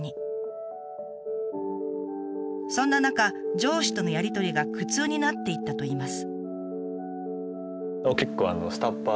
そんな中上司とのやり取りが苦痛になっていったといいます。